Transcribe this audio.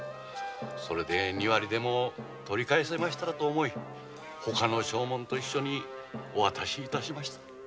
それで二割でも取り返せたらと思いほかの証文と一緒にお渡し致しました。